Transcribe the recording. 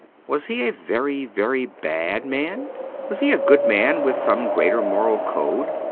Was he a very, very bad man ? Was he a good man with some greater moral code